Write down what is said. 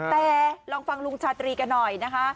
แต่ลองฟังลุงชาตรีกันหน่อยนะคะ